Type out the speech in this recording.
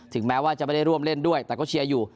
แม้ว่าจะไม่ได้ร่วมเล่นด้วยแต่ก็เชียร์อยู่